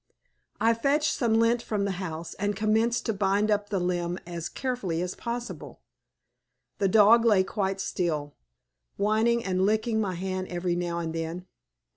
I fetched some lint from the house, and commenced to bind up the limb as carefully as possible. The dog lay quite still, whining and licking my hand every now and then.